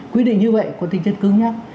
quy định như vậy có tính chất cứng nhất